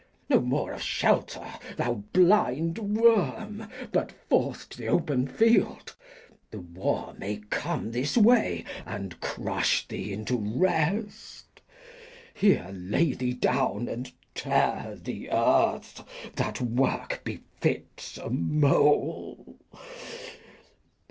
No more of Shelter, thou blind Worm, but forth To th' open Field, the War may come this Way, And crush thee into Rest. Here lay thee down, And tear the Earth, that Work befits a Mole.